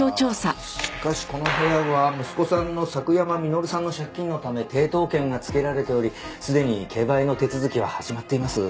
しかしこの部屋は息子さんの佐久山稔さんの借金のため抵当権が付けられておりすでに競売の手続きは始まっています。